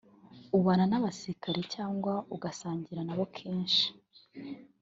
ubana n’abasirikari cyangwa ugasangira nabo kenshi